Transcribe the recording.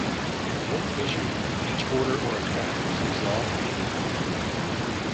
Once issued, each order or attack is resolved immediately.